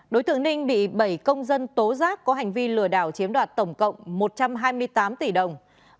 đối tượng ninh bị bảy công dân tố giác có hành vi lừa đảo chiếm đoạt tổng cộng một trăm hai mươi tám tỷ đồng